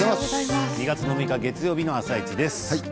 ２月６日月曜日の「あさイチ」です。